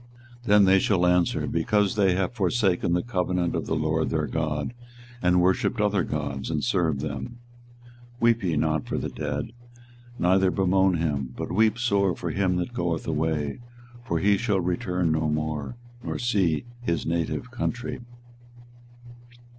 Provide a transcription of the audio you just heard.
24:022:009 Then they shall answer, Because they have forsaken the covenant of the LORD their God, and worshipped other gods, and served them. 24:022:010 Weep ye not for the dead, neither bemoan him: but weep sore for him that goeth away: for he shall return no more, nor see his native country.